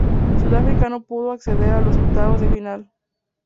Sudáfrica no pudo acceder a los octavos de final.